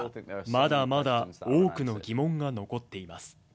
まだまだ多くの疑問が残っています。